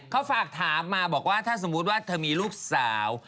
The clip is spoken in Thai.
เขาฝากถามมาบอกว่าถ้าสมมุติว่าเธอมีลูกสาว